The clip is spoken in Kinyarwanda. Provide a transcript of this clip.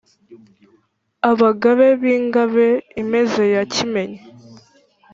Abagabe b’i Ngabe-imeze ya Kimenyi,